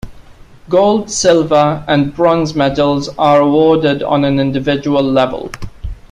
Gold, silver and bronze medals are awarded on an individual level.